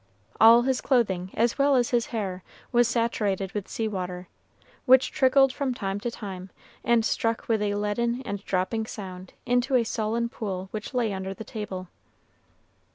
All his clothing, as well as his hair, was saturated with sea water, which trickled from time to time, and struck with a leaden and dropping sound into a sullen pool which lay under the table.